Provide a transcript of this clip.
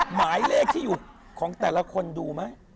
หมายเลขที่อยู่ของแต่ละคนดูไหม